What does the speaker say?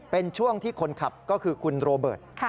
เป็นช่วงที่คนขับก็คือคุณโรเบิร์ต